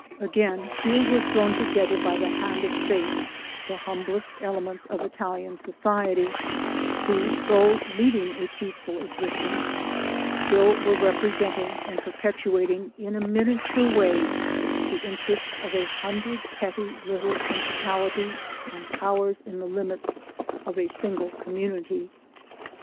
Again, here were thrown together by the hand of fate the humblest elements of Italian so ciety, who though leading a peaceful existence, still were representing and perpetuating in a miniature way the interests of a hundred petty little principali ties and powers in the limits of a single community.